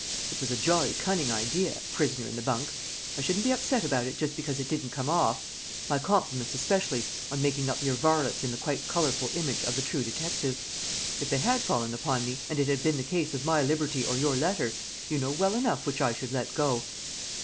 It was a jolly cunning idea prisoner in the bunk! I shouldn't be upset about it just because it didn't come off. My compliments especially on making up your varlets in the quite colourable image of the true detective. If they had fallen upon me, and it had been a case of my liberty or your letter, you know well enough which I should let go."